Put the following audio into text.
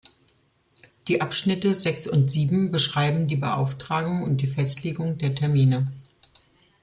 Die Abschnitte sechs und sieben beschreiben die Beauftragung und die Festlegung der Termine.